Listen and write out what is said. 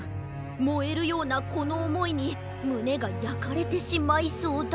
もえるようなこのおもいにむねがやかれてしまいそうだ。